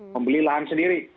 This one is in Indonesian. membeli lahan sendiri